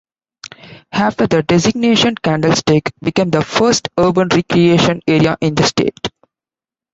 After the designation Candlestick became the first urban recreation area in the state.